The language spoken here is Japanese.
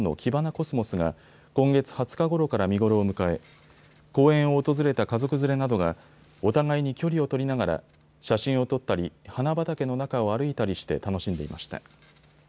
コスモスが今月２０日ごろから見頃を迎え、公園を訪れた家族連れなどがお互いに距離を取りながら写真を撮ったり、花畑の中を歩いたりして楽しんでいました。